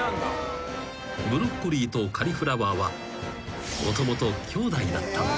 ［ブロッコリーとカリフラワーはもともときょうだいだったのだ］